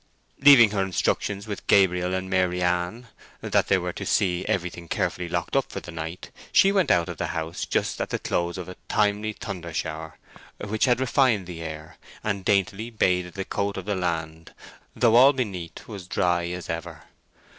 Leaving her instructions with Gabriel and Maryann, that they were to see everything carefully locked up for the night, she went out of the house just at the close of a timely thunder shower, which had refined the air, and daintily bathed the coat of the land, though all beneath was dry as ever.